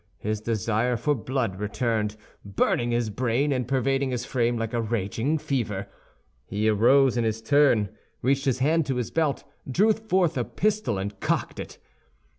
His desire for blood returned, burning his brain and pervading his frame like a raging fever; he arose in his turn, reached his hand to his belt, drew forth a pistol, and cocked it.